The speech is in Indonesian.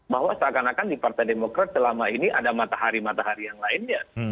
bahwa seakan akan di partai demokrat selama ini ada matahari matahari yang lainnya